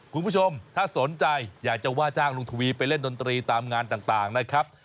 คุณผู้ชมถ้าสนใจอยากจะว่าจ้างลุงทวีไปเล่นดนตรีตามงานต่างนะครับ